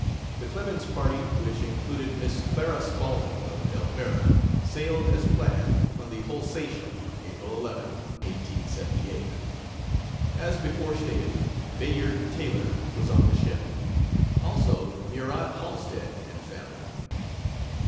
The Clemens party, which included Miss Clara Spaulding, of Elmira, sailed as planned, on the Holsatia, April 11, 1878. As before stated, Bayard Taylor was on the ship; also Murat Halstead and family.